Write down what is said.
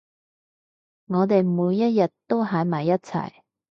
我哋每一日都喺埋一齊